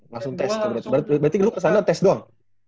langsung tes berarti dulu kesana tes doang